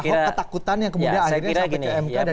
ketakutan yang kemudian akhirnya sampai pmk dan dijawab oleh presiden